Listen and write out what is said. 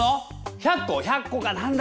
１００個？１００個かなんだろうな。